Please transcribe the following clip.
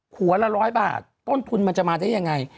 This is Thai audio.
หัวละ๑๐๐บาทต้นทุนมันจะมาได้ยังไง